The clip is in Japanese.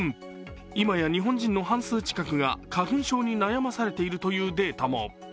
今や日本人の半数近くが花粉症に悩まされているというデータも。